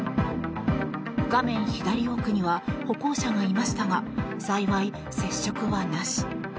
画面左奥には歩行者がいましたが幸い、接触はなし。